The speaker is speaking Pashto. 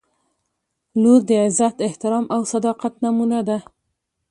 • لور د عزت، احترام او صداقت نمونه ده.